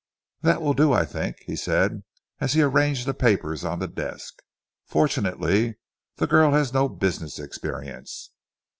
"That will do, I think," he said as he arranged the papers on the desk. "Fortunately the girl has no business experience."